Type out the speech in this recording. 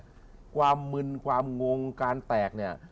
ที่ผ่านมาเนี่ยความมึนความงงการแตกเนี่ย